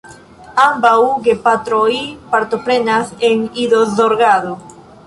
Ambaŭ gepatroj partoprenas en idozorgado.